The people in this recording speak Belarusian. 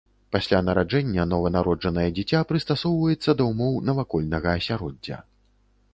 Пасля нараджэння нованароджанае дзіця прыстасоўваецца да ўмоў навакольнага асяроддзя.